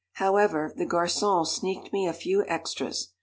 However, the garçon sneaked me a few extras.